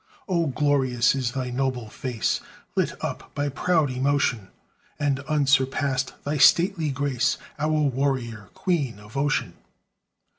Oh, glorious is thy noble face, Lit up by proud emotion, And unsurpassed thy stately grace, Our warrior Queen of Ocean!